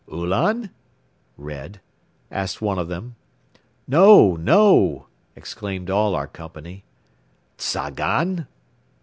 "Ulan? (Red?)" asked one of them. "No! No!" exclaimed all our company. "Tzagan?